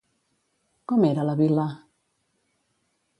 Com era la vila?